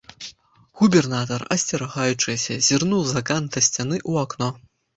Губернатар, асцерагаючыся, зірнуў з-за канта сцяны ў акно.